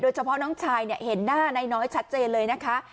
เฉพาะน้องชายเห็นหน้านายน้อยชัดเจนเลยนะคะ